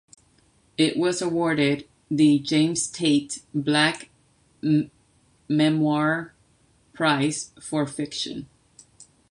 It was awarded the James Tait Black Memorial Prize for fiction.